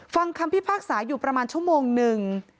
ฟังคำพิพากษาอยู่ประมาณชั่วโมงหนึ่ง